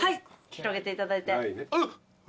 広げていただいて。